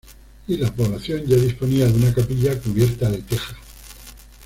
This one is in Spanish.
Y la población ya disponía de una capilla cubierta de tejas.